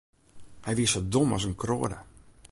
Hy wie sa dom as in kroade.